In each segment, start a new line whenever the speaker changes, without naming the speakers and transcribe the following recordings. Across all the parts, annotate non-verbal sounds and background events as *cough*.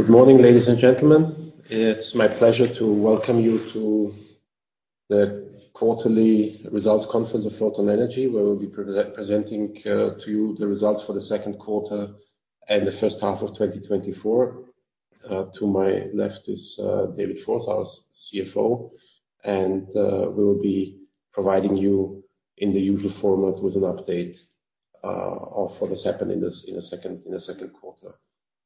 Good morning, ladies and gentlemen. It's my pleasure to welcome you to the quarterly results conference of Photon Energy, where we'll be presenting to you the results for the second quarter and the first half of 2024. To my left is David Forth, CFO, and we will be providing you in the usual format with an update of what has happened in the second quarter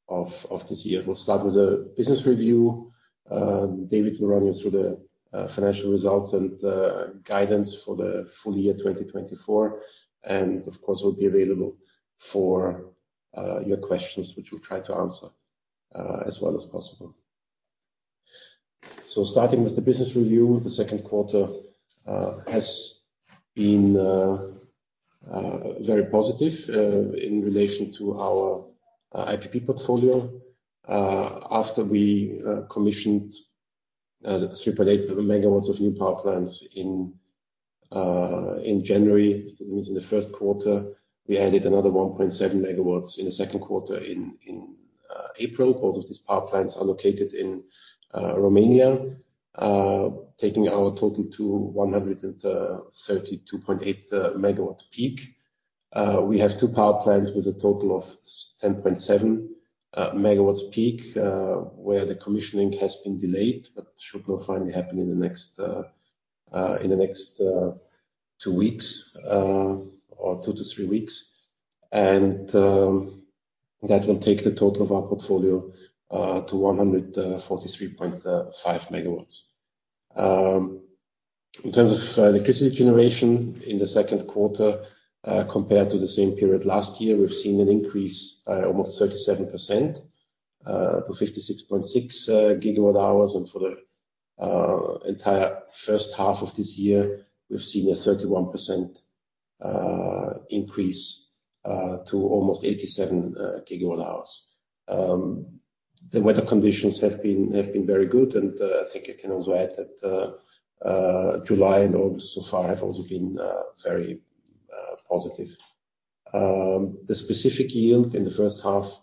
of this year. We'll start with a business review. David will run you through the financial results and guidance for the full year 2024, and of course, we'll be available for your questions, which we'll try to answer as well as possible, so starting with the business review, the second quarter has been very positive in relation to our IPP portfolio.
After we commissioned the 3.8 MW of new power plants in January, that means in the first quarter, we added another 1.7 MW in the second quarter in April. All of these power plants are located in Romania, taking our total to 132.8 MW peak. We have two power plants with a total of 10.7 MW peak, where the commissioning has been delayed, but should now finally happen in the next two weeks or two to three weeks. That will take the total of our portfolio to 143.5 MW. In terms of electricity generation in the second quarter, compared to the same period last year, we've seen an increase almost 37% to 56.6 GW hours. And for the entire first half of this year, we've seen a 31% increase to almost 87 GW hours. The weather conditions have been very good, and I think I can also add that July and August so far have also been very positive. The specific yield in the first half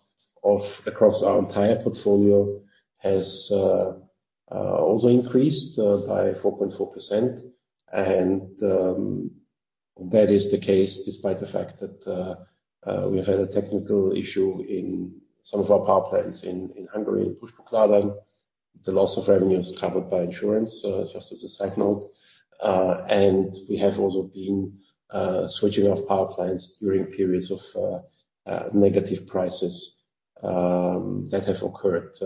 across our entire portfolio has also increased by 4.4%. And that is the case, despite the fact that we've had a technical issue in some of our power plants in Hungary, in Püspökladány. The loss of revenue is covered by insurance just as a side note, and we have also been switching off power plants during periods of negative prices that have occurred,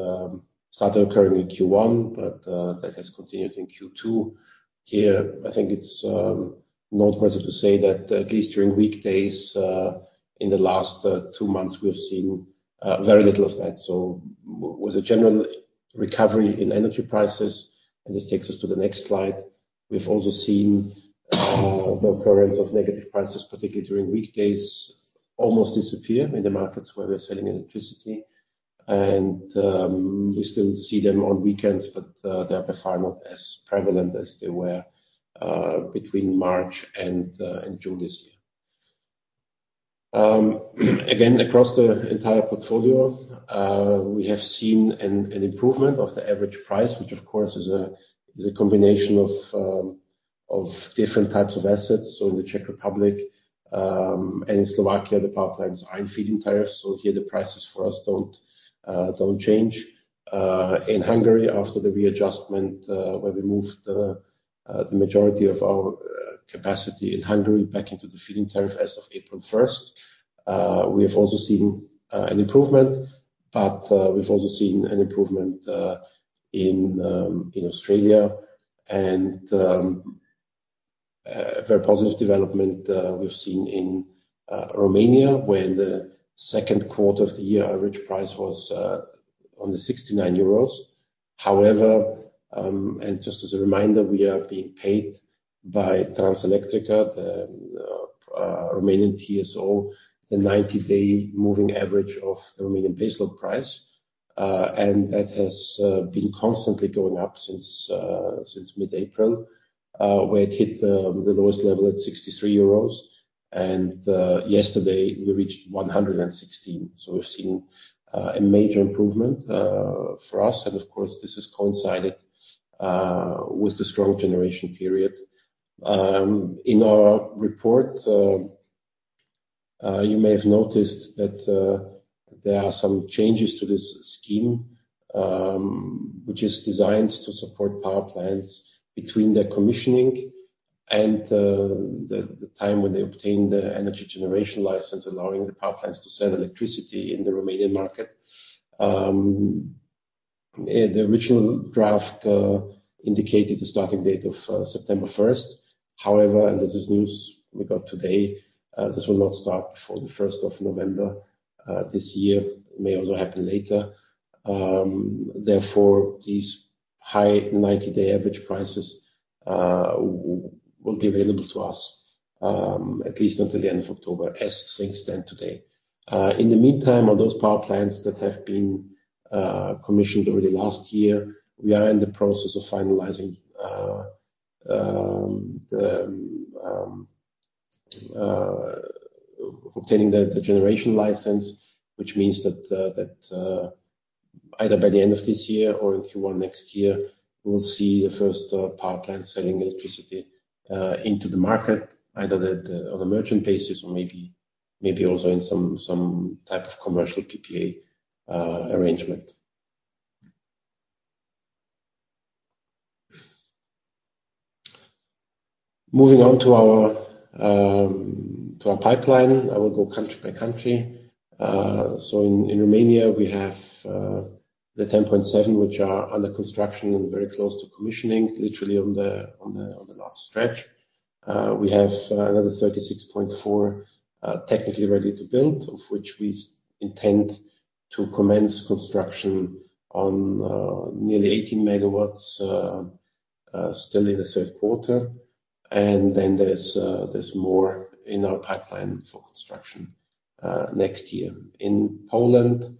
started occurring in Q1, but that has continued in Q2. Here, I think it's noteworthy to say that at least during weekdays in the last two months, we have seen very little of that, so with a general recovery in energy prices, and this takes us to the next slide, we've also seen the occurrence of negative prices, particularly during weekdays, almost disappear in the markets where we're selling electricity, and we still see them on weekends, but they are by far not as prevalent as they were between March and June this year. Again, across the entire portfolio, we have seen an improvement of the average price, which of course is a combination of different types of assets. So in the Czech Republic and in Slovakia, the power plants are in feed-in tariffs, so here, the prices for us don't change. In Hungary, after the readjustment, where we moved the majority of our capacity in Hungary back into the feed-in tariff as of April first, we have also seen an improvement, but we've also seen an improvement in Australia. And a very positive development we've seen in Romania, where in the second quarter of the year, average price was on the 69 euros. However, and just as a reminder, we are being paid by Transelectrica, the Romanian TSO, the 90-day moving average of the Romanian baseload price. And that has been constantly going up since mid-April, where it hit the lowest level at 63 euros. And yesterday, we reached 116. So we've seen a major improvement for us, and of course, this has coincided with the strong generation period. In our report, you may have noticed that there are some changes to this scheme, which is designed to support power plants between their commissioning and the time when they obtain the energy generation license, allowing the power plants to sell electricity in the Romanian market. The original draft indicated the starting date of September 1st. However, and this is news we got today, this will not start before the 1st of November this year. May also happen later. Therefore, these high 90-day average prices will be available to us at least until the end of October, as things stand today. In the meantime, on those power plants that have been commissioned over the last year, we are in the process of obtaining the generation license, which means that either by the end of this year or in Q1 next year, we'll see the first power plant selling electricity into the market, either on a merchant basis or maybe also in some type of commercial PPA arrangement. Moving on to our pipeline, I will go country by country. So in Romania, we have the 10.7 MW, which are under construction and very close to commissioning, literally on the last stretch. We have another 36.4 MW, technically ready to build, of which we intend to commence construction on nearly 18 MW still in the third quarter. And then there's more in our pipeline for construction next year. In Poland,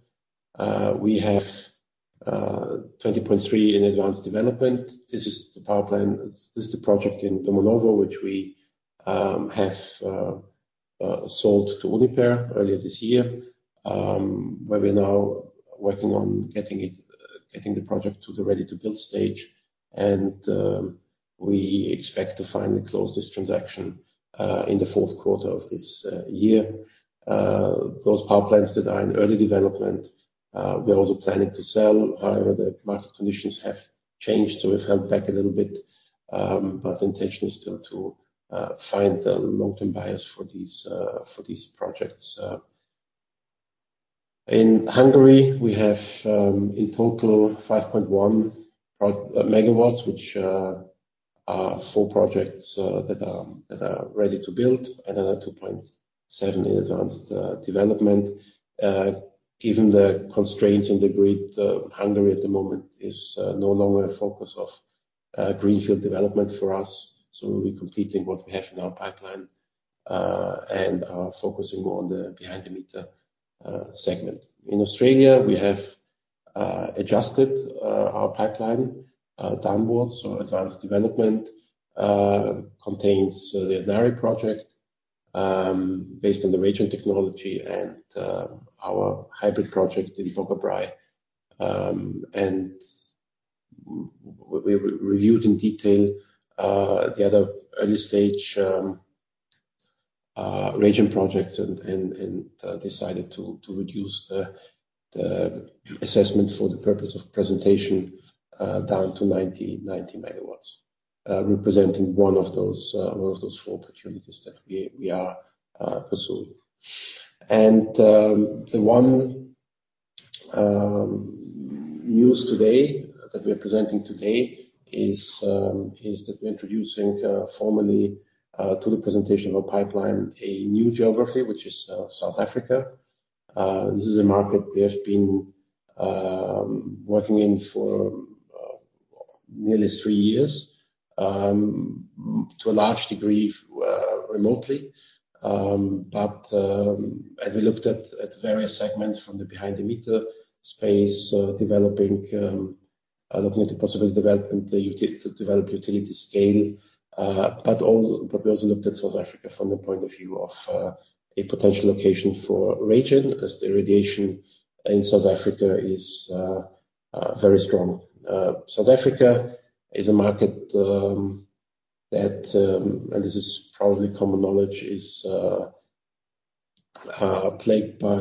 we have 20.3 MW in advanced development. This is the project in Domanowo, which we have sold to Uniper earlier this year, where we're now working on getting it, getting the project to the ready-to-build stage, and we expect to finally close this transaction in the fourth quarter of this year. Those power plants that are in early development, we're also planning to sell. However, the market conditions have changed, so we've held back a little bit, but the intention is still to find the long-term buyers for these projects. In Hungary, we have in total 5.1 MW, which are four projects that are ready to build, another 2.7 MW in advanced development. Given the constraints in the grid, Hungary at the moment is no longer a focus of greenfield development for us, so we're completing what we have in our pipeline, and are focusing more on the behind-the-meter segment. In Australia, we have adjusted our pipeline downwards. Advanced development contains the Yadnarie project, based on the RayGen technology and our hybrid project in Boggabri. We reviewed in detail the other early stage RayGen projects and decided to reduce the assessment for the purpose of presentation down to 90 MW, representing one of those four opportunities that we are pursuing. The one news today that we're presenting today is that we're introducing formally to the presentation of our pipeline a new geography, which is South Africa. This is a market we have been working in for nearly three years, to a large degree, remotely. But we looked at various segments from the behind-the-meter space, developing, looking at the possible development to develop utility scale, but we also looked at South Africa from the point of view of a potential location for RayGen, as the radiation in South Africa is very strong. South Africa is a market that, and this is probably common knowledge, is plagued by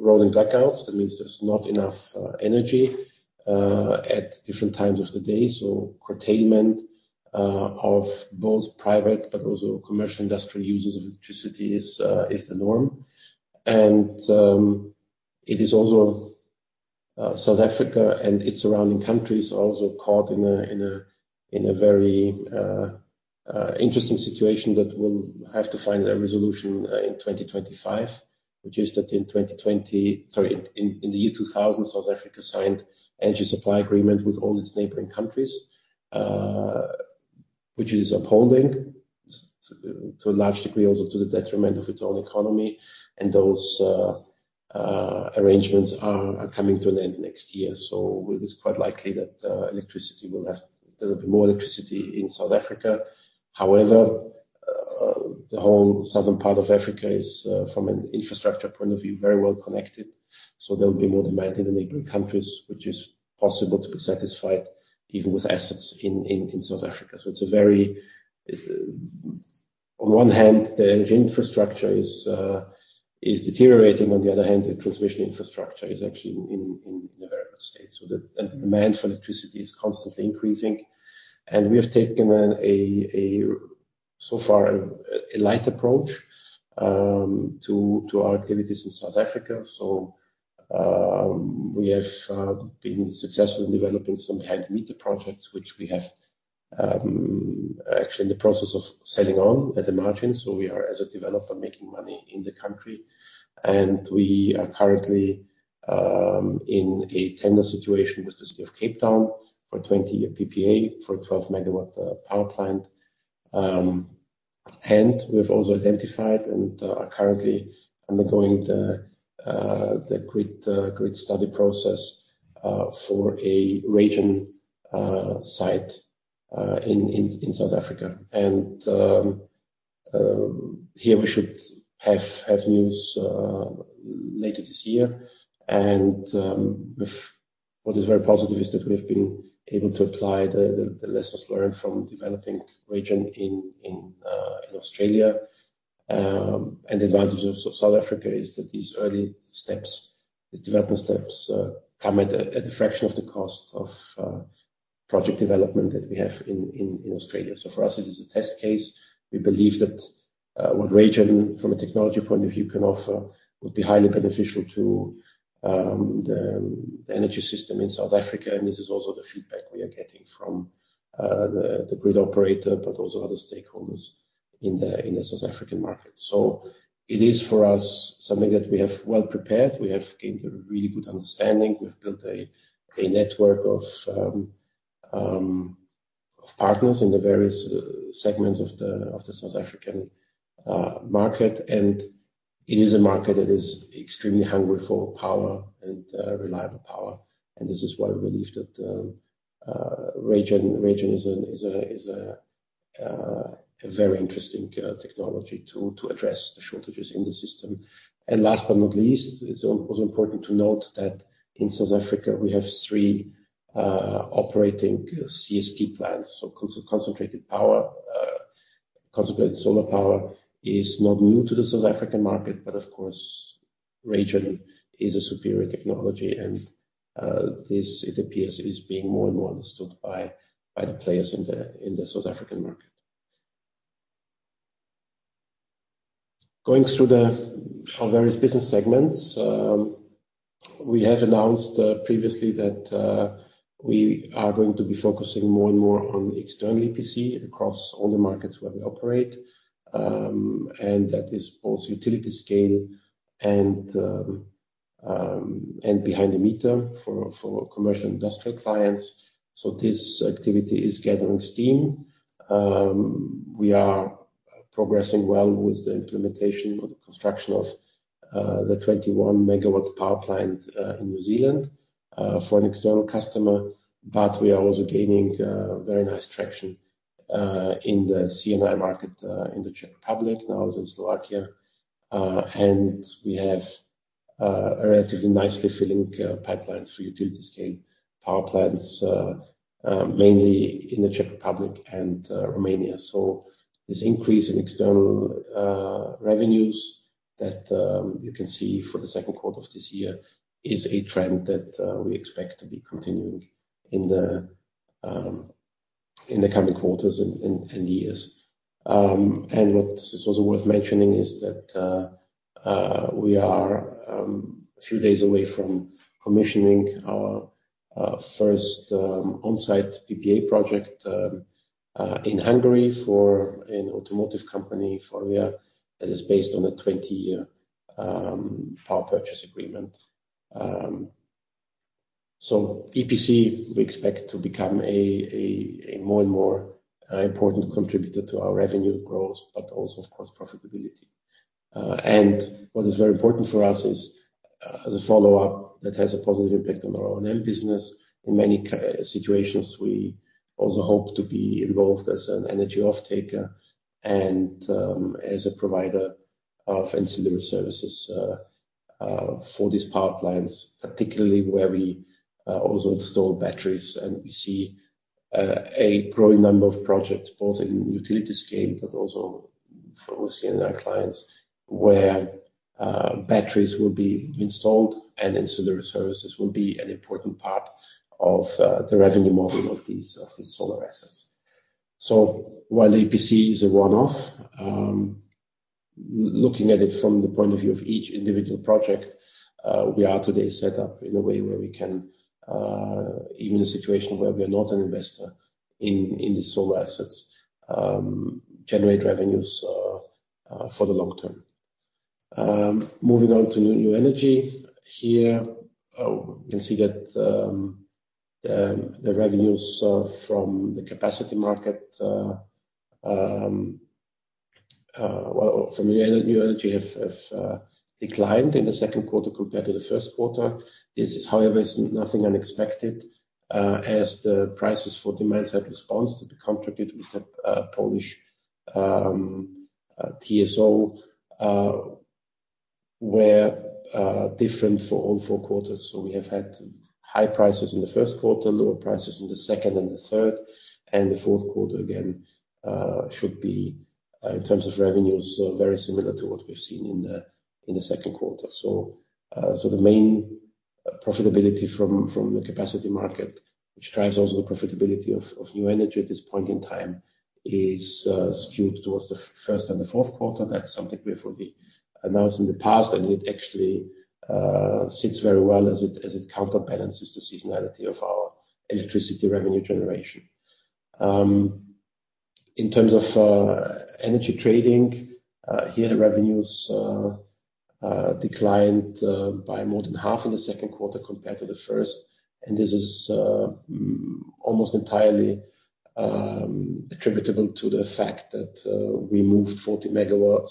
rolling blackouts. That means there's not enough energy at different times of the day. So curtailment of both private but also commercial and industrial users of electricity is the norm. It is also South Africa and its surrounding countries are also caught in a very interesting situation that will have to find a resolution in 2025, which is that Sorry, in the year 2000, South Africa signed energy supply agreement with all its neighboring countries, which is upholding to a large degree, also to the detriment of its own economy, and those arrangements are coming to an end next year. So it is quite likely that there will be more electricity in South Africa. However, the whole southern part of Africa is from an infrastructure point of view, very well connected. There will be more demand in the neighboring countries, which is possible to be satisfied even with assets in South Africa. It is a very, on one hand, the infrastructure is deteriorating, on the other hand, the transmission infrastructure is actually in a very good state. The demand for electricity is constantly increasing, and we have taken a, so far, a light approach to our activities in South Africa. We have been successful in developing some behind-the-meter projects, which we have actually in the process of selling on at the margin. We are, as a developer, making money in the country, and we are currently in a tender situation with the City of Cape Town for 20-year PPA, for a 12-megawatt power plant. And we've also identified and are currently undergoing the grid study process for a RayGen site in South Africa. And here we should have news later this year. And what is very positive is that we have been able to apply the lessons learned from developing RayGen in Australia. And the advantage of South Africa is that these early steps, these development steps come at a fraction of the cost of project development that we have in Australia. So for us, it is a test case. We believe that what RayGen, from a technology point of view, can offer would be highly beneficial to the energy system in South Africa, and this is also the feedback we are getting from the grid operator, but also other stakeholders in the South African market. So it is, for us, something that we have well prepared. We have gained a really good understanding. We've built a network of partners in the various segments of the South African market, and it is a market that is extremely hungry for power and reliable power. And this is why we believe that RayGen is a very interesting technology to address the shortages in the system. And last but not least, it's also important to note that in South Africa, we have three operating CSP plants. So concentrated power, concentrated solar power, is not new to the South African market, but of course, RayGen is a superior technology, and this, it appears, is being more and more understood by the players in the South African market. Going through our various business segments, we have announced previously that we are going to be focusing more and more on external EPC across all the markets where we operate. And that is both utility scale and behind the meter for commercial industrial clients. So this activity is gathering steam. We are progressing well with the implementation or the construction of the 21 MW power plant in New Zealand for an external customer, but we are also gaining very nice traction in the C&I market in the Czech Republic, now in Slovakia, and we have a relatively nicely filling pipelines for utility-scale power plants mainly in the Czech Republic and Romania. So this increase in external revenues that you can see for the second quarter of this year is a trend that we expect to be continuing in the coming quarters and years. And what is also worth mentioning is that we are a few days away from commissioning our first on-site PPA project in Hungary for an automotive company, yeah, that is based on a 20-year power purchase agreement. So, EPC, we expect to become a more and more important contributor to our revenue growth, but also, of course, profitability. And what is very important for us is, as a follow-up, that has a positive impact on our own energy business. In many cases, we also hope to be involved as an energy off-taker and as a provider of ancillary services for these power plants, particularly where we also install batteries. And we see a growing number of projects, both in utility scale, but also for C&I clients, where batteries will be installed and ancillary services will be an important part of the revenue model of these solar assets. So while EPC is a one-off, looking at it from the point of view of each individual project, we are today set up in a way where we can even in a situation where we are not an investor in the solar assets, generate revenues for the long term. Moving on to New Energy. Here you can see that the revenues from the capacity market, well, from New Energy have declined in the second quarter compared to the first quarter. This, however, is nothing unexpected, as the prices for demand-side response to the contract with the Polish TSO were different for all four quarters. So we have had high prices in the first quarter, lower prices in the second and the third, and the fourth quarter again should be in terms of revenues very similar to what we've seen in the second quarter. So the main profitability from the capacity market, which drives also the profitability of New Energy at this point in time, is skewed towards the first and the fourth quarter. That's something we have already announced in the past, and it actually sits very well as it counterbalances the seasonality of our electricity revenue generation. In terms of energy trading, here the revenues declined by more than half in the second quarter compared to the first. And this is almost entirely attributable to the fact that we moved 40 MW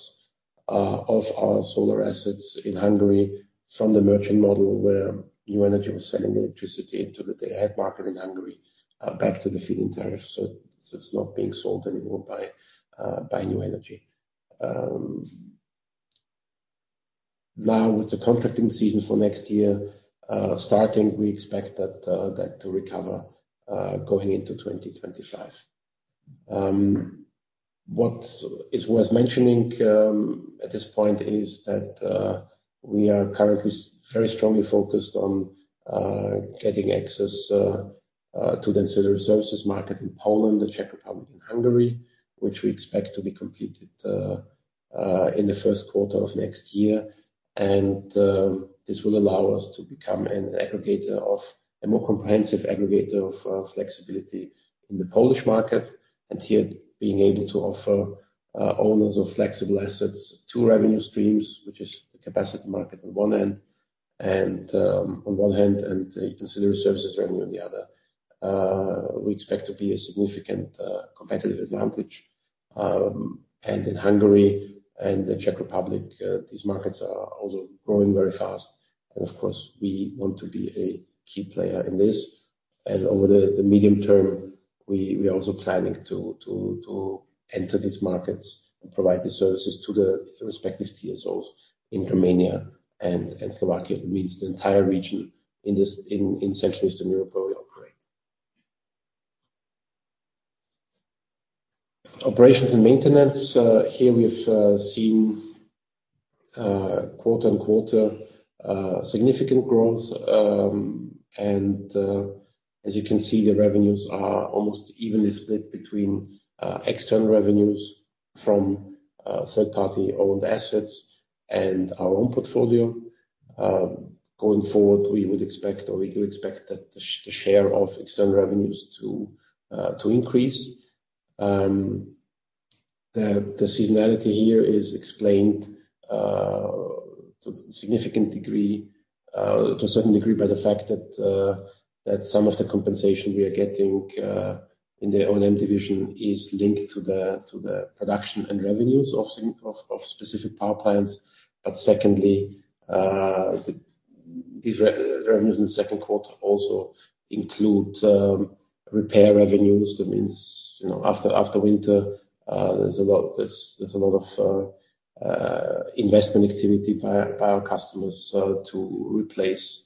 of our solar assets in Hungary from the merchant model, where New Energy was selling electricity into the day-ahead market in Hungary back to the feed-in tariff. So it's not being sold anymore by New Energy. Now, with the contracting season for next year starting, we expect that to recover going into 2025. What is worth mentioning at this point is that we are currently very strongly focused on getting access to the ancillary services market in Poland, the Czech Republic, and Hungary, which we expect to be completed in the first quarter of next year. This will allow us to become an aggregator of a more comprehensive aggregator of flexibility in the Polish market. Here, being able to offer owners of flexible assets two revenue streams, which is the capacity market on one end, and on one hand, and the ancillary services revenue on the other, we expect to be a significant competitive advantage. In Hungary and the Czech Republic, these markets are also growing very fast, and of course, we want to be a key player in this. Over the medium term, we are also planning to enter these markets and provide these services to the respective TSOs in Romania and Slovakia. It means the entire region in this Central Eastern Europe, where we operate. Operations and maintenance, here we've seen quarter on quarter significant growth. As you can see, the revenues are almost evenly split between external revenues from third-party-owned assets and our own portfolio. Going forward, we would expect, or we do expect that the share of external revenues to increase. The seasonality here is explained to a significant degree to a certain degree by the fact that some of the compensation we are getting in the O&M division is linked to the production and revenues of some specific power plants. But secondly, these revenues in the second quarter also include repair revenues. That means, you know, after winter, there's a lot of investment activity by our customers to replace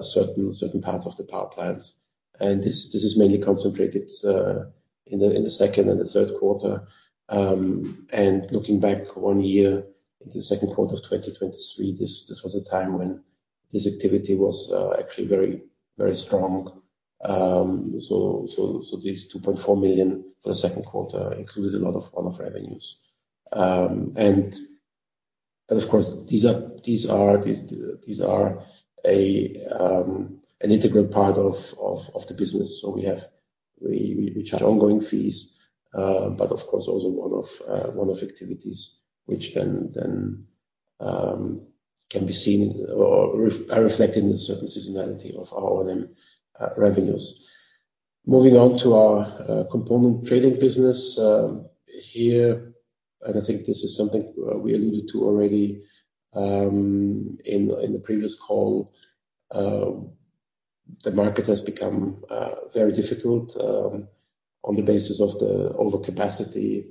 certain parts of the power plants. And this is mainly concentrated in the second and the third quarter. And looking back one year, in the second quarter of 2023, this was a time when this activity was actually very strong. These 2.4 million for the second quarter included a lot of revenues. Of course, these are an integral part of the business. We charge ongoing fees, but of course, also a lot of activities which can then be seen or are reflected in the certain seasonality of our O&M revenues. Moving on to our component trading business here, and I think this is something we alluded to already in the previous call. The market has become very difficult on the basis of the overcapacity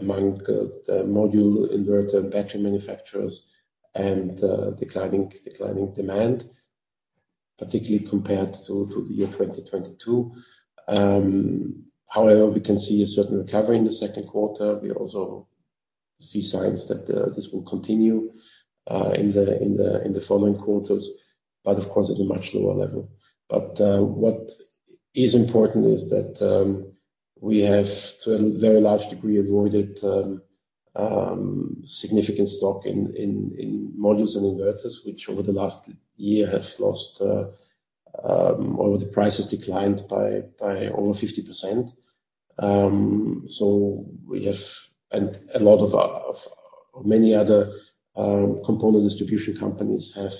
among the module, inverter, and battery manufacturers, and declining demand, particularly compared to the year 2022. However, we can see a certain recovery in the second quarter. We also see signs that this will continue in the following quarters, but of course, at a much lower level, but what is important is that we have, to a very large degree, avoided significant stock in modules and inverters, which over the last year have lost or the prices declined by over 50%, so we have, and a lot of many other component distribution companies have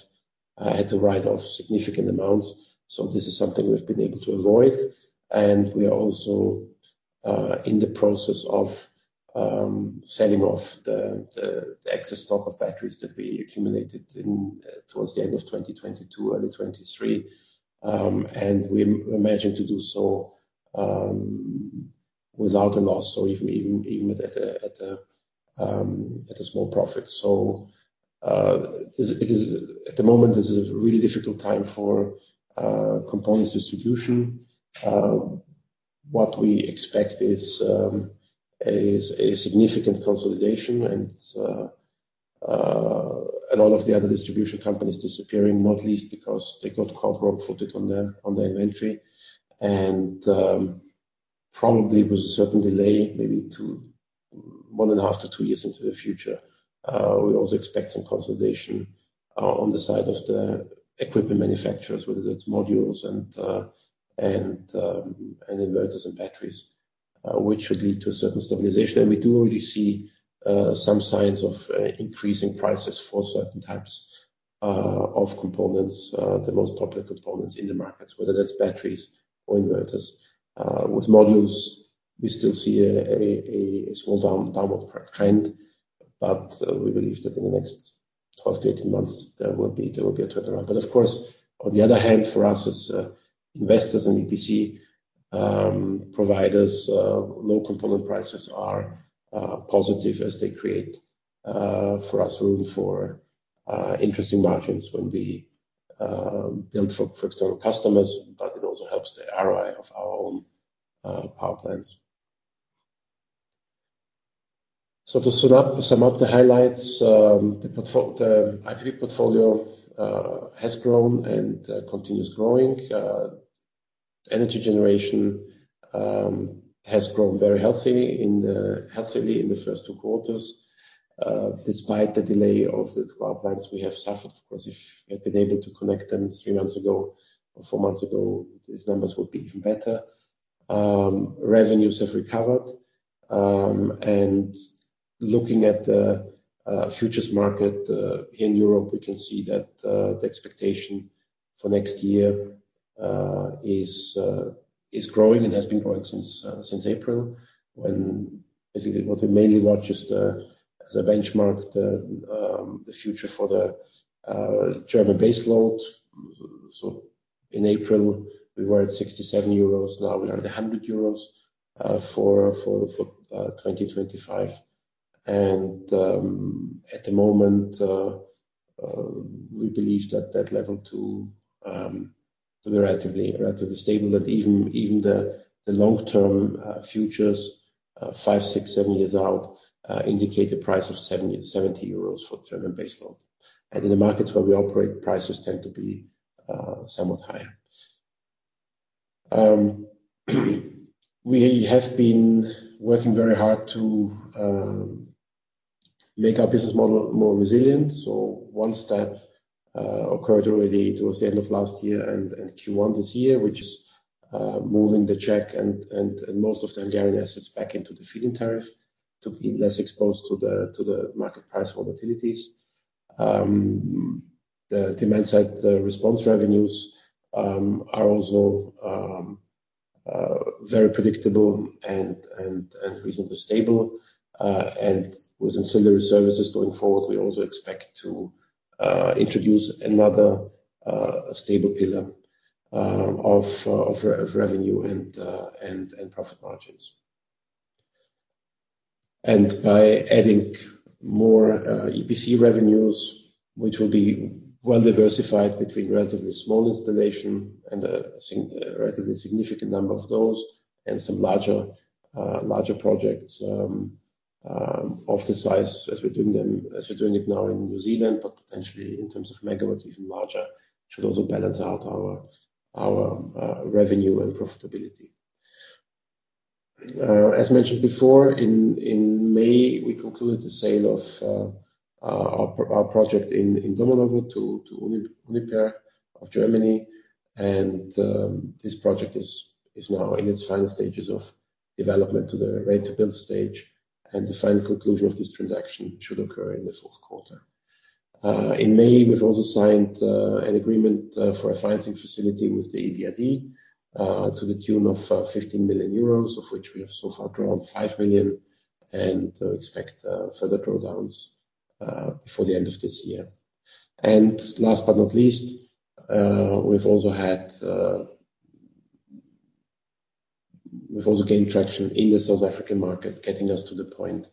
had to write off significant amounts, so this is something we've been able to avoid, and we are also in the process of selling off the excess stock of batteries that we accumulated towards the end of 2022, early 2023. And we imagine to do so without a loss or even at a small profit. So, at the moment, this is a really difficult time for components distribution. What we expect is a significant consolidation and a lot of the other distribution companies disappearing, not least because they got caught wrong-footed on their inventory. And probably with a certain delay, maybe one and a half to two years into the future, we're also expecting consolidation on the side of the equipment manufacturers, whether that's modules and inverters and batteries, which should lead to a certain stabilization. We do already see some signs of increasing prices for certain types of components, the most popular components in the markets, whether that's batteries or inverters. With modules, we still see a small downward trend, but we believe that in the next 12 to 18 months, there will be a turnaround. But of course, on the other hand, for us, as investors and EPC providers, low component prices are positive as they create for us room for interesting margins when we build for external customers, but it also helps the ROI of our own power plants. So to sum up the highlights, the IPP portfolio has grown and continues growing. Energy generation has grown very healthily in the first two quarters. Despite the delay of the two power plants, we have suffered, because if we had been able to connect them three months ago or four months ago, these numbers would be even better. Revenues have recovered, and looking at the futures market in Europe, we can see that the expectation for next year is growing and has been growing since April, when basically what we mainly watch is the, as a benchmark, the future for the German baseload. So in April, we were at 67 euros, now we are at 100 euros for 2025. At the moment, we believe that level to be relatively stable, that even the long term futures five, six, seven years out indicate the price of 70 euros for German baseload. In the markets where we operate, prices tend to be somewhat higher. We have been working very hard to make our business model more resilient. One step occurred already. It was the end of last year and Q1 this year, which is moving the Czech and most of the Hungarian assets back into the feed-in tariff to be less exposed to the market price volatilities. The demand-side response revenues are also very predictable and reasonably stable. And with ancillary services going forward, we also expect to introduce another stable pillar of revenue and profit margins. And by adding more EPC revenues, which will be well diversified between relatively small installation and a relatively significant number of those, and some larger projects of the size as we're doing them, as we're doing it now in New Zealand, but potentially in terms of megawatts, even larger, should also balance out our revenue and profitability. As mentioned before, in May, we concluded the sale of our project in Domanowo to Uniper of Germany. And this project is now in its final stages of development to the ready-to-build stage, and the final conclusion of this transaction should occur in the fourth quarter. In May, we've also signed an agreement for a financing facility with the EBRD to the tune of 15 million euros, of which we have so far drawn 5 million and expect further drawdowns before the end of this year. And last but not least, we've also gained traction in the South African market, getting us to the point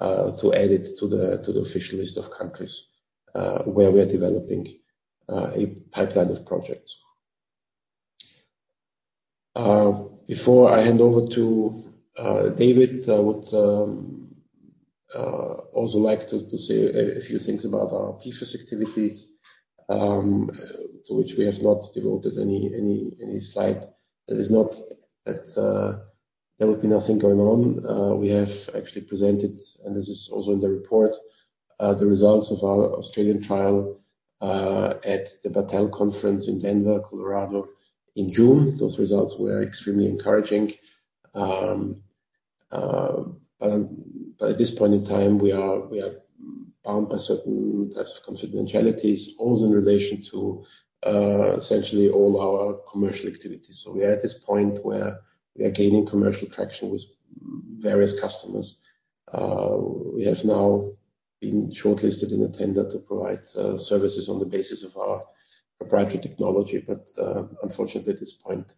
to add it to the official list of countries where we are developing a pipeline of projects. Before I hand over to David, I would also like to say a few things about our PFAS activities, to which we have not devoted any slide. That is not that there would be nothing going on. We have actually presented, and this is also in the report, the results of our Australian trial, at the Battelle conference in Denver, Colorado, in June. Those results were extremely encouraging. But at this point in time, we are bound by certain types of confidentialities, also in relation to essentially all our commercial activities. So we are at this point where we are gaining commercial traction with various customers. We have now been shortlisted in a tender to provide services on the basis of our proprietary technology, but unfortunately, at this point,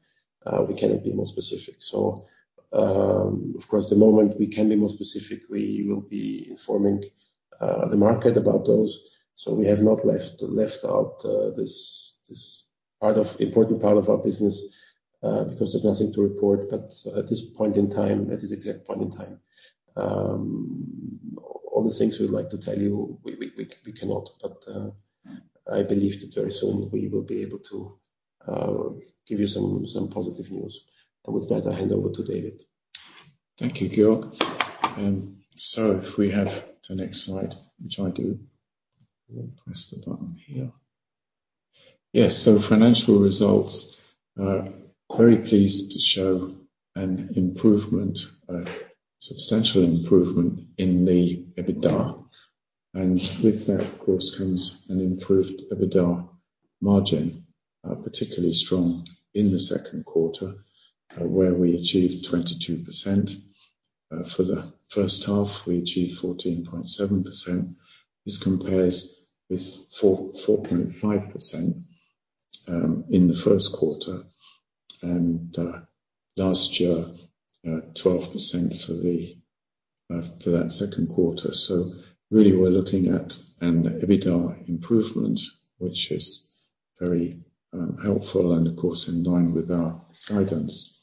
we cannot be more specific. So, of course, the moment we can be more specific, we will be informing the market about those. So we have not left out this important part of our business because there's nothing to report. But at this point in time, at this exact point in time, all the things we'd like to tell you, we cannot. But I believe that very soon we will be able to give you some positive news. And with that, I hand over to David. Thank you, Georg. So if we have the next slide, which I do, we'll press the button here. Yes, so financial results are very pleased to show an improvement, a substantial improvement in the EBITDA, and with that, of course, comes an improved EBITDA margin, particularly strong in the second quarter, where we achieved 22%. For the first half, we achieved 14.7%. This compares with 4.5% in the first quarter, and last year, 12% for that second quarter. So really we're looking at an EBITDA improvement, which is very helpful and of course, in line with our guidance.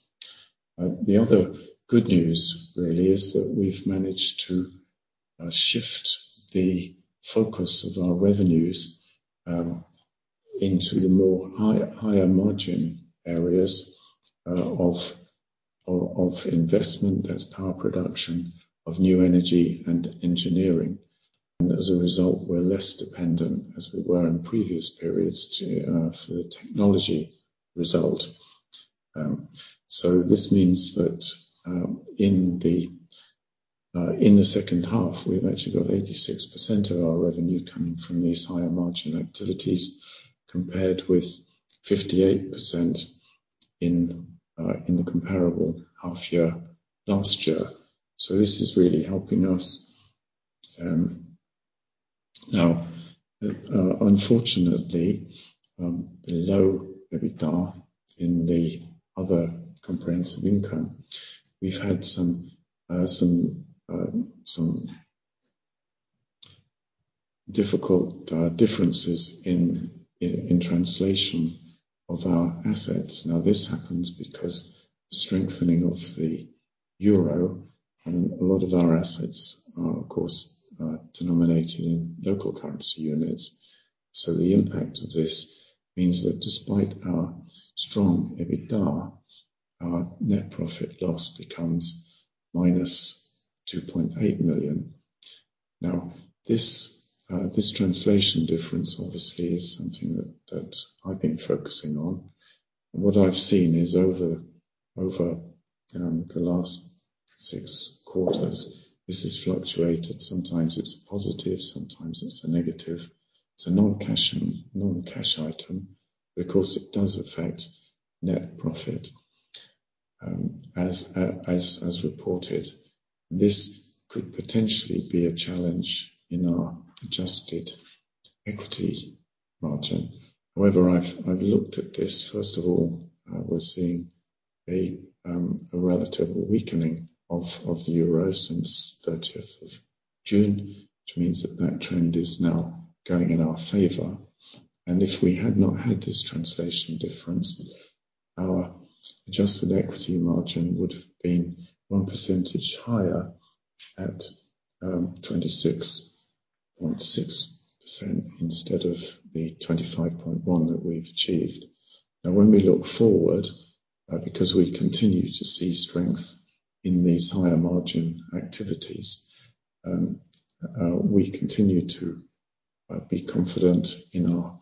The other good news really is that we've managed to shift the focus of our revenues into the more higher margin areas of investment. That's power production of new energy and engineering. And as a result, we're less dependent as we were in previous periods to for the technology result. So this means that in the second half, we've actually got 86% of our revenue coming from these higher margin activities, compared with 58% in the comparable half year last year. So this is really helping us. Now, unfortunately, the low EBITDA in the other comprehensive income, we've had some difficult differences in translation of our assets. Now, this happens because the strengthening of the euro and a lot of our assets are of course denominated in local currency units. So the impact of this means that despite our strong EBITDA, our net profit loss becomes -2.8 million. Now, this translation difference obviously is something that I've been focusing on, and what I've seen is over the last six quarters, this has fluctuated. Sometimes it's positive, sometimes it's a negative. It's a non-cash item, because it does affect net profit. As reported, this could potentially be a challenge in our adjusted equity margin. However, I've looked at this. First of all, we're seeing a relative weakening of the euro since 30th of June, which means that trend is now going in our favor. And if we had not had this translation difference, our adjusted equity margin would have been one percentage higher at 26.6% instead of the 25.1% that we've achieved. Now, when we look forward, because we continue to see strength in these higher margin activities, we continue to be confident in our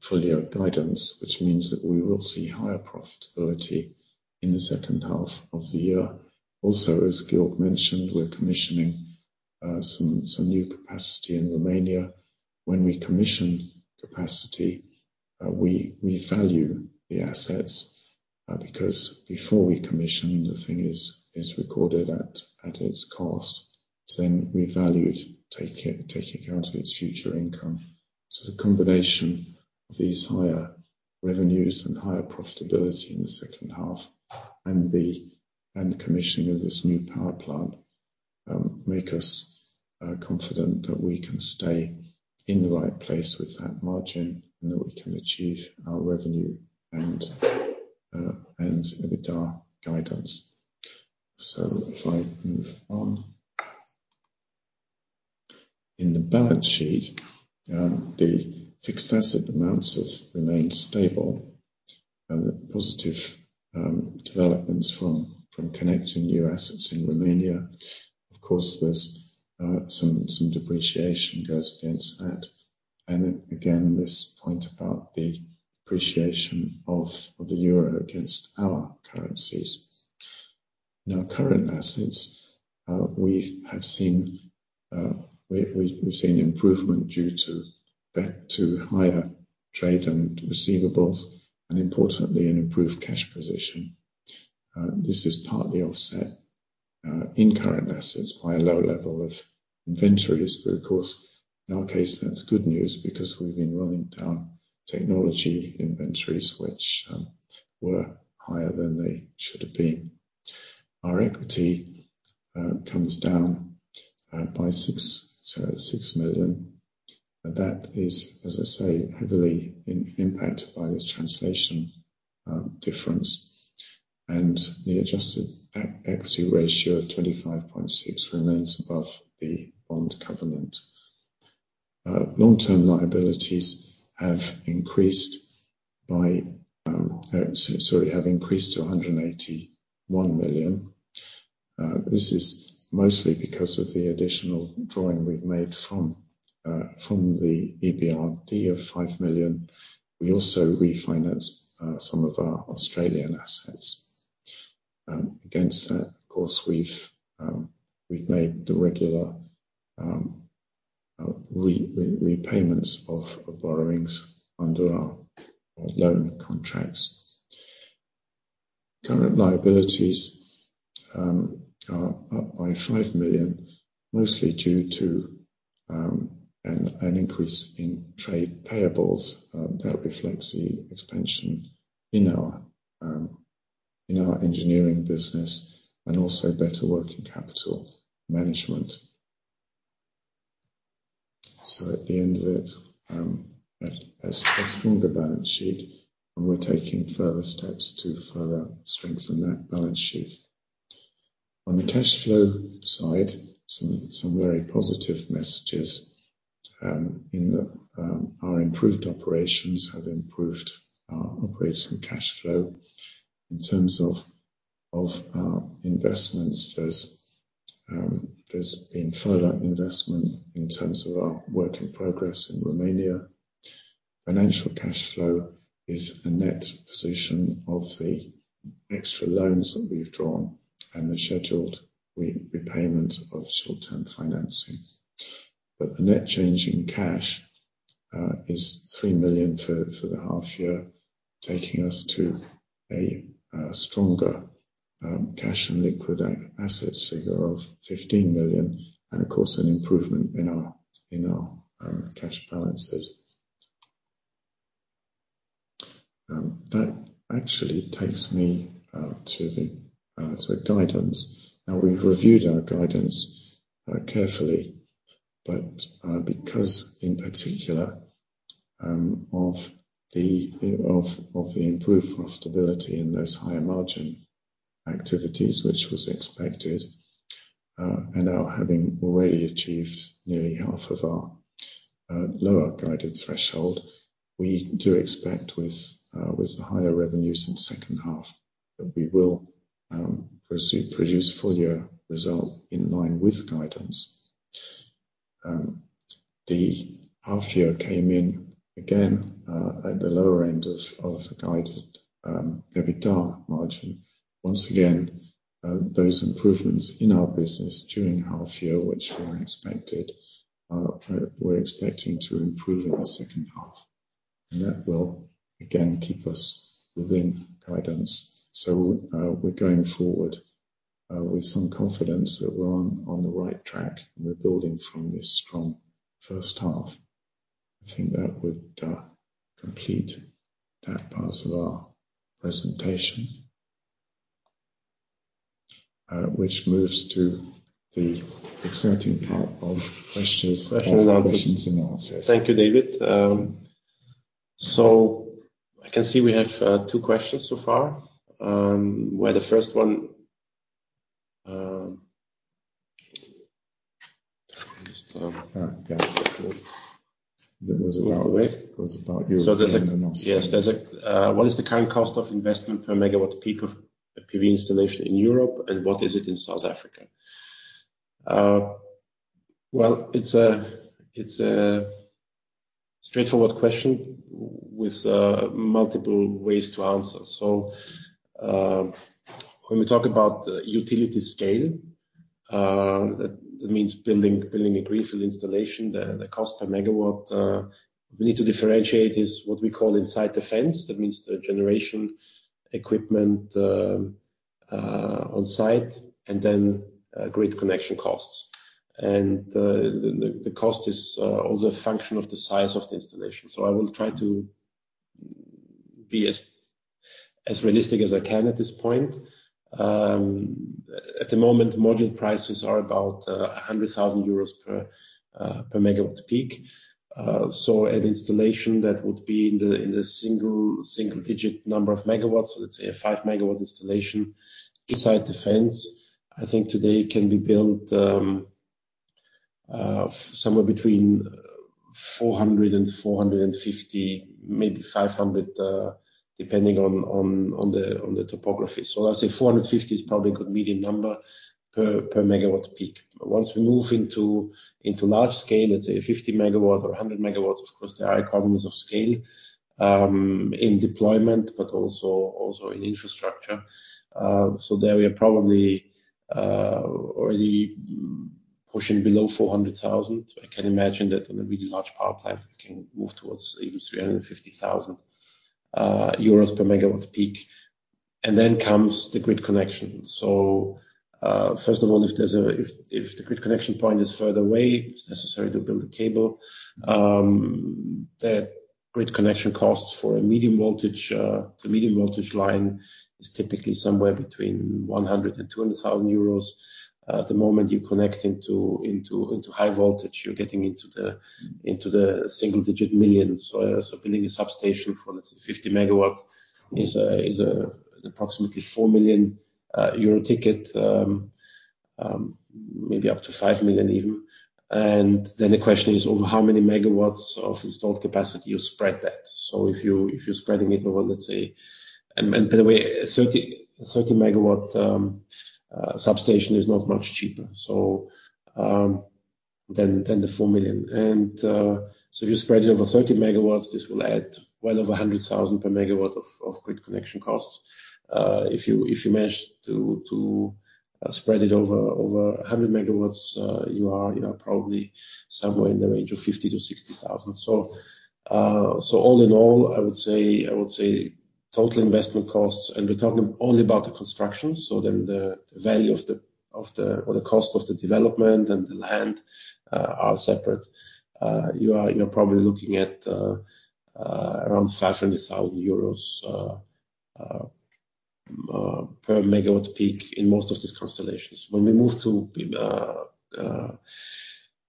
full-year guidance, which means that we will see higher profitability in the second half of the year. Also, as Georg mentioned, we're commissioning some new capacity in Romania. When we commission capacity, we value the assets, because before we commission, the thing is recorded at its cost, so then we value it, taking account of its future income. So the combination of these higher revenues and higher profitability in the second half and the commissioning of this new power plant make us confident that we can stay in the right place with that margin and that we can achieve our revenue and EBITDA guidance. So if I move on. In the balance sheet, the fixed asset amounts have remained stable and the positive developments from connecting new assets in Romania. Of course, there's some depreciation goes against that. And then again, this point about the appreciation of the euro against our currencies. In our current assets, we have seen improvement due to higher trade and receivables and importantly, an improved cash position. This is partly offset in current assets by a lower level of inventories, but of course, in our case, that's good news because we've been running down technology inventories, which were higher than they should have been. Our equity comes down by 6 million, and that is, as I say, heavily impacted by this translation difference. The adjusted equity ratio of 25.6% remains above the bond covenant. Long-term liabilities have increased to 181 million. This is mostly because of the additional drawing we've made from the EBRD of 5 million. We also refinance some of our Australian assets. Against that, of course, we've made the regular repayments of borrowings under our loan contracts. Current liabilities are up by 5 million, mostly due to an increase in trade payables that reflects the expansion in our engineering business and also better working capital management. At the end of it, a stronger balance sheet, and we're taking further steps to further strengthen that balance sheet. On the cash flow side, some very positive messages in that our improved operations have improved our operating cash flow. In terms of investments, there's been further investment in terms of our work in progress in Romania. Financial cash flow is a net position of the extra loans that we've drawn and the scheduled repayment of short-term financing. But the net change in cash is 3 million for the half year, taking us to a stronger cash and liquid assets figure of 15 million, and of course, an improvement in our cash balances. That actually takes me to the guidance. Now, we've reviewed our guidance carefully, but because in particular of the improved profitability in those higher margin activities, which was expected, and are having already achieved nearly half of our lower guided threshold, we do expect with the higher revenues in the second half, that we will produce full year result in line with guidance. The half year came in again at the lower end of the guided EBITDA margin. Once again, those improvements in our business during half year, which we unexpected, we're expecting to improve in the second half, and that will again keep us within guidance. So, we're going forward with some confidence that we're on the right track, and we're building from this strong first half. I think that would complete that part of our presentation, which moves to the exciting part of questions and answers.
Thank you, David. So I can see we have two questions so far. Where the first one.
Yeah, that was about-
So there's a-
*audio distortion*
Yes, there's a what is the current cost of investment per megawatt peak of a PV installation in Europe, and what is it in South Africa? Well, it's a straightforward question with multiple ways to answer. So, when we talk about utility scale, that means building a greenfield installation. The cost per megawatt we need to differentiate is what we call inside the fence. That means the generation equipment on site, and then grid connection costs. And the cost is also a function of the size of the installation. So I will try to be as realistic as I can at this point. At the moment, module prices are about 100,000 euros per megawatt peak.
An installation that would be in the single digit number of megawatts, so let's say a 5 MW installation inside the fence, I think today can be built somewhere between 400,000 and 450,000, maybe 500,000, depending on the topography. I'd say 450,000 is probably a good medium number per megawatt peak. Once we move into large scale, let's say a 50 MW or 100 MW, of course, there are economies of scale in deployment, but also in infrastructure. There we are probably already pushing below 400,000. I can imagine that in a really large power plant, we can move towards even 350,000 euros per megawatt peak, and then comes the grid connection. First of all, if the grid connection point is further away, it's necessary to build a cable. The grid connection costs for a medium voltage line is typically somewhere between 100,000 and 200,000 euros. The moment you connect into high voltage, you're getting into the single digit millions. Building a substation for, let's say, 50 MW is approximately 4 million euro ticket. Maybe up to 5 million even. And then the question is, over how many megawatts of installed capacity you spread that. If you're spreading it over, let's say, and by the way, 30 MW substation is not much cheaper than the 4 million. If you spread it over 30 MW, this will add well over 100,000 per megawatt of grid connection costs. If you manage to spread it over a 100 MW, you are probably somewhere in the range of 50,000-60,000. All in all, I would say total investment costs, and we're talking only about the construction, so then the value of the... or the cost of the development and the land are separate. You're probably looking at around 500,000 euros per megawatt peak in most of these constellations. When we move to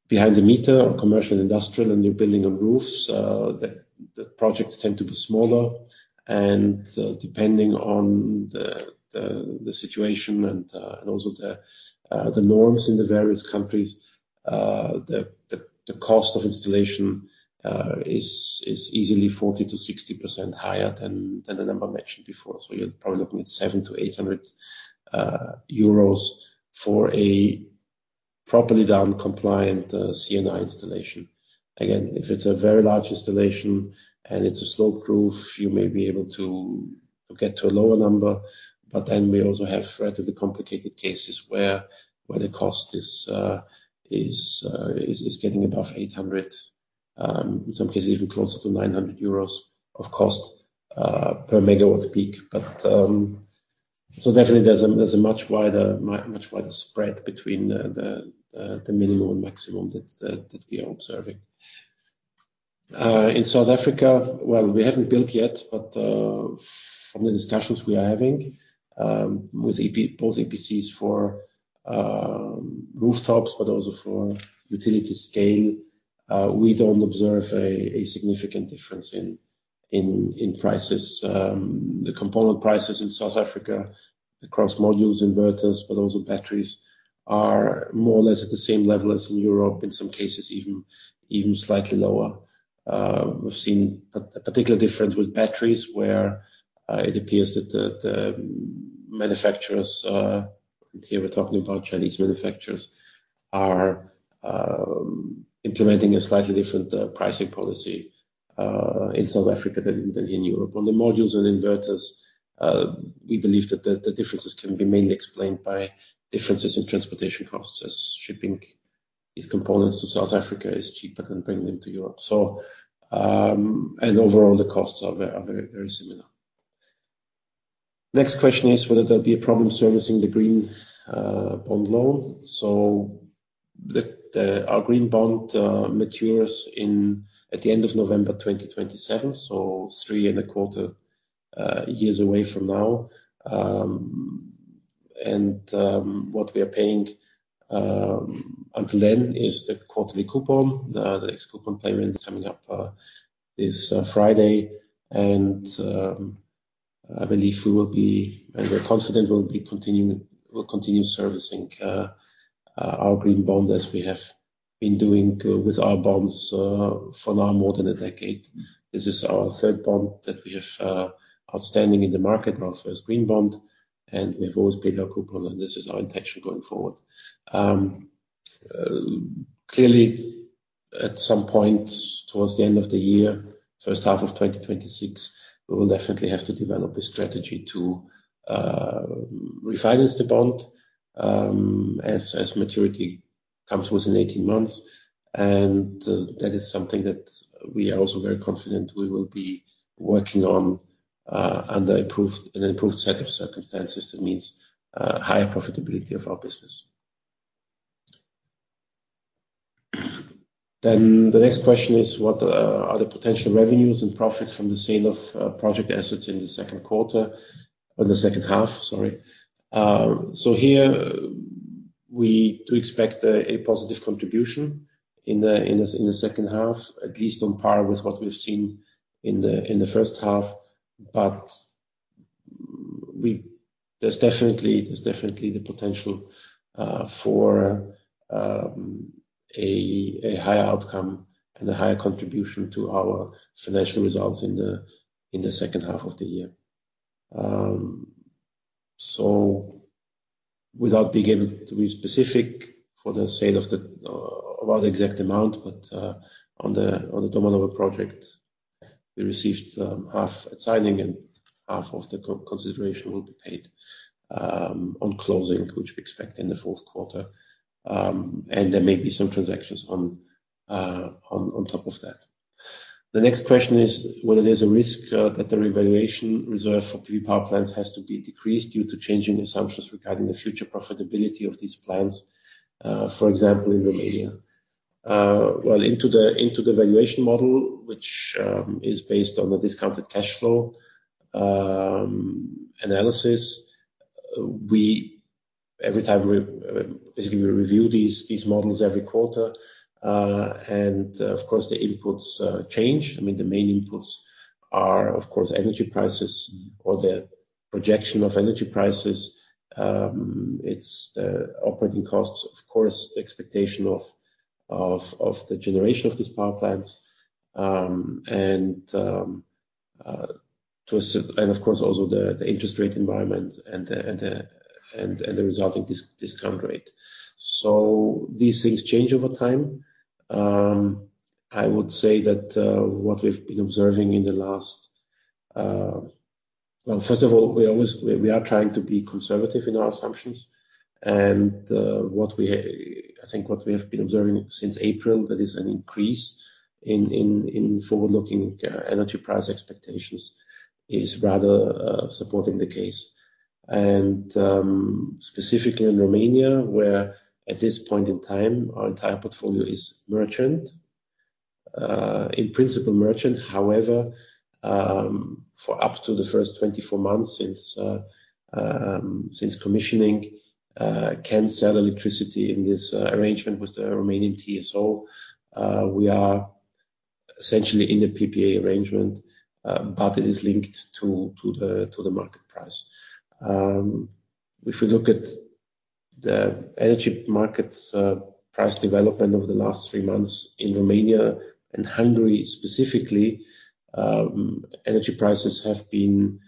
behind the meter or commercial industrial, and you're building on roofs, the projects tend to be smaller. Depending on the situation and also the norms in the various countries, the cost of installation is easily 40%-60% higher than the number I mentioned before. So you are probably looking at 700-800 euros for a properly done, compliant C&I installation. Again, if it is a very large installation and it is a sloped roof, you may be able to get to a lower number, but then we also have relatively complicated cases where the cost is getting above 800, in some cases, even closer to 900 euros of cost per megawatt peak. But so definitely there is a much wider spread between the minimum and maximum that we are observing. In South Africa, well, we haven't built yet, but from the discussions we are having with both EPCs for rooftops, but also for utility scale, we don't observe a significant difference in prices. The component prices in South Africa, across modules, inverters, but also batteries, are more or less at the same level as in Europe, in some cases, even slightly lower. We've seen a particular difference with batteries, where it appears that the manufacturers, here we're talking about Chinese manufacturers, are implementing a slightly different pricing policy in South Africa than in Europe. On the modules and inverters, we believe that the differences can be mainly explained by differences in transportation costs, as shipping these components to South Africa is cheaper than bringing them to Europe. Overall, the costs are very, very similar. Next question is whether there'll be a problem servicing the green bond loan? Our green bond matures at the end of November 2027, so three and a quarter years away from now. What we are paying until then is the quarterly coupon, the ex-coupon payment coming up this Friday. I believe we will be, and we're confident we'll continue servicing our green bond, as we have been doing with our bonds for now more than a decade. This is our third bond that we have outstanding in the market, our first green bond, and we've always paid our coupon, and this is our intention going forward. Clearly, at some point towards the end of the year, first half of 2026, we will definitely have to develop a strategy to refinance the bond, as maturity comes within 18 months. That is something that we are also very confident we will be working on, under an improved set of circumstances. That means higher profitability of our business. The next question is: What are the potential revenues and profits from the sale of project assets in the second quarter or the second half? Sorry. So here we do expect a positive contribution in the second half, at least on par with what we've seen in the first half. But there's definitely the potential for a higher outcome and a higher contribution to our financial results in the second half of the year. So without being able to be specific for the sale of the about the exact amount, but on the Domanowo project, we received half at signing and half of the consideration will be paid on closing, which we expect in the fourth quarter. And there may be some transactions on top of that. The next question is whether there's a risk that the revaluation reserve for three power plants has to be decreased due to changing assumptions regarding the future profitability of these plants for example in Romania? Well, into the valuation model, which is based on the discounted cash flow analysis. Every time we basically review these models every quarter, and, of course, the inputs change. I mean, the main inputs are, of course, energy prices or the projection of energy prices. It's the operating costs, of course, the expectation of the generation of these power plants, and, of course, also the interest rate environment and the resulting discount rate. So these things change over time. I would say that what we've been observing in the last... First of all, we always are trying to be conservative in our assumptions, and what we, I think what we have been observing since April, that is an increase in forward-looking energy price expectations, is rather supporting the case. Specifically in Romania, where at this point in time, our entire portfolio is merchant. In principle, merchant, however, for up to the first 24 months since commissioning, can sell electricity in this arrangement with the Romanian TSO. We are essentially in a PPA arrangement, but it is linked to the market price. If we look at the energy markets, price development over the last three months in Romania and Hungary, specifically, energy prices have been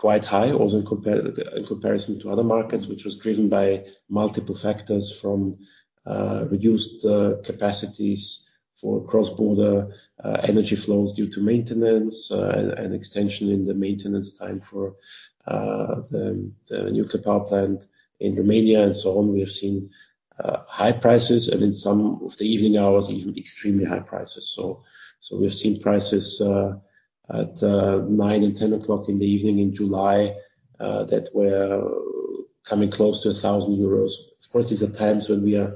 quite high, also in comparison to other markets, which was driven by multiple factors, from reduced capacities for cross-border energy flows due to maintenance and extension in the maintenance time for the nuclear power plant in Romania, and so on. We have seen high prices, and in some of the evening hours, even extremely high prices. So we've seen prices at 9:00 P.M. and 10:00 P.M. in the evening in July that were coming close to 1,000 euros. Of course, these are times when we are...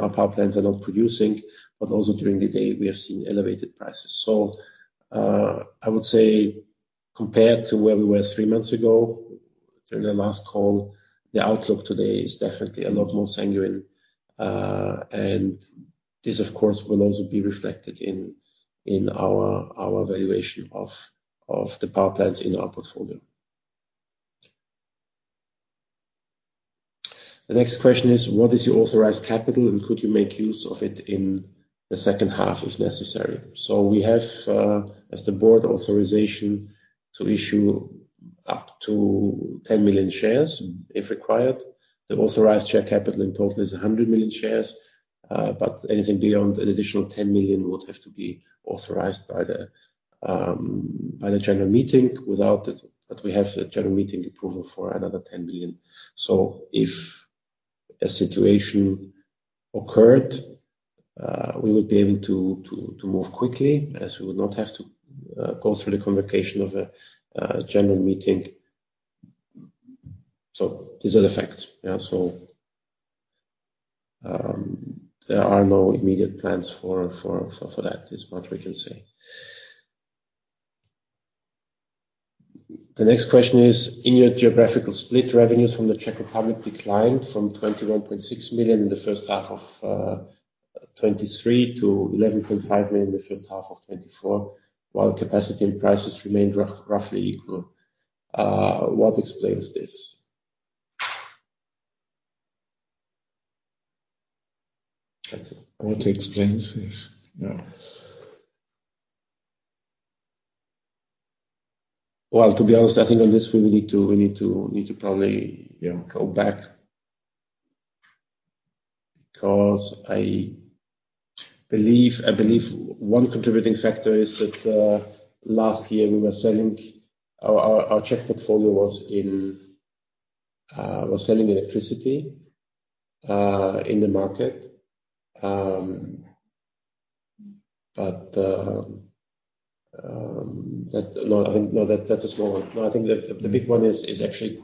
our power plants are not producing, but also during the day, we have seen elevated prices. So, I would say, compared to where we were three months ago, during the last call, the outlook today is definitely a lot more sanguine. And this, of course, will also be reflected in our valuation of the power plants in our portfolio. The next question is: What is your authorized capital, and could you make use of it in the second half, if necessary? So we have, as the Board, authorization to issue up to 10 million shares, if required. The authorized share capital in total is 100 million shares, but anything beyond an additional 10 million would have to be authorized by the General Meeting. Without it, but we have the General Meeting approval for another 10 million. If a situation occurred, we would be able to move quickly, as we would not have to go through the convocation of a General Meeting. These are the facts, yeah, so there are no immediate plans for that, is what we can say. The next question is: In your geographical split, revenues from the Czech Republic declined from 21.6 million in the first half of 2023 to 11.5 million in the first half of 2024, while capacity and prices remained roughly equal. What explains this? That's it.
What explains this? Yeah. Well, to be honest, I think on this one, we need to probably, you know, go back. Because I believe one contributing factor is that last year we were selling. Our Czech portfolio was selling electricity in the market. But that, no, I think that's a small one. No, I think the big one is actually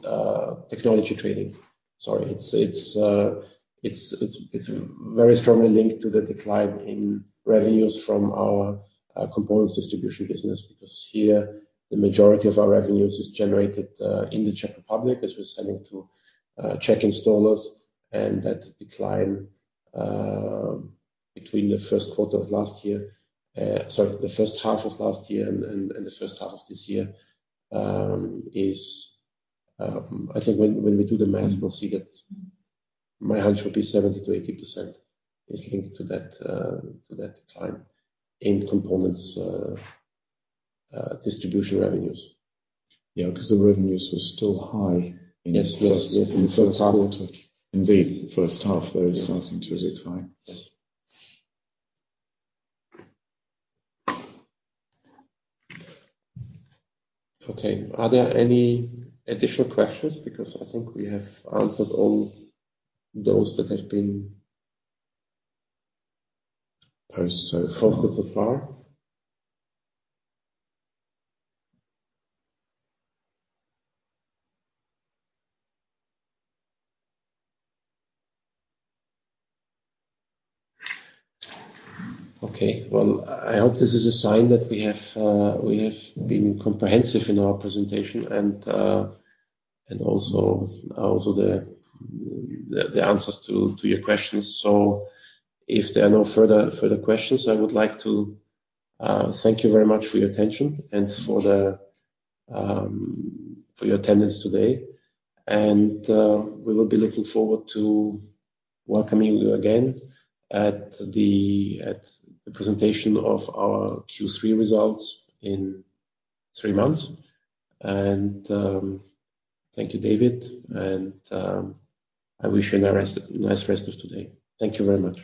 technology trading. Sorry, it's very strongly linked to the decline in revenues from our components distribution business, because here, the majority of our revenues is generated in the Czech Republic, as we're selling to Czech installers.
And that decline between the first quarter of last year, sorry, the first half of last year and the first half of this year is. I think when we do the math, we'll see that my hunch would be 70%-80% is linked to that to that decline in components distribution revenues. Yeah, 'cause the revenues were still high *crosstalk* In the first quarter. Indeed. First half, they were starting to decline.
Yes. Okay. Are there any additional questions? Because I think we have answered all those that have been-
Posted so far....
Posted so far. Okay, well, I hope this is a sign that we have been comprehensive in our presentation and also the answers to your questions. So if there are no further questions, I would like to thank you very much for your attention and for your attendance today. And we will be looking forward to welcoming you again at the presentation of our Q3 results in three months. And thank you, David, and I wish you a nice rest of today. Thank you very much.